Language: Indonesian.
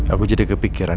aku jadi kepikiran